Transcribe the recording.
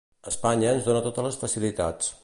Espanya ens dona totes les facilitats.